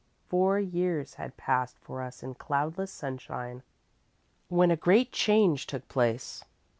Four years had passed for us in cloudless sunshine when a great change took place.